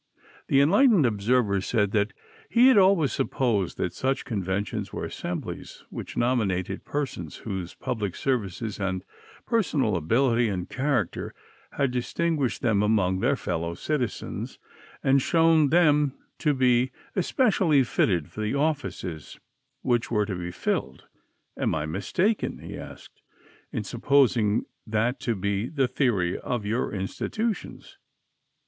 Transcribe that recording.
The Enlightened Observer said that he had always supposed that such conventions were assemblies which nominated persons whose public services and personal ability and character had distinguished them among their fellow citizens, and shown them to be especially fitted for the offices which were to be filled. "Am I mistaken," he asked, "in supposing that to be the theory of your institutions?"